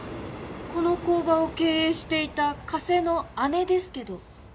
この工場を経営していた加瀬の姉ですけど。